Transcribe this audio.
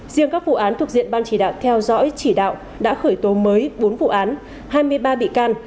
riêng các vụ án thuộc diện ban chỉ đạo theo dõi chỉ đạo đã khởi tố mới bốn vụ án hai mươi ba bị can